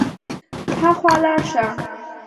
هاخوا لاړ شه.